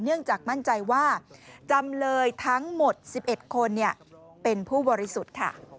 เนื่องจากมั่นใจว่าจำเลยทั้งหมด๑๑คนเป็นผู้บริสุทธิ์ค่ะ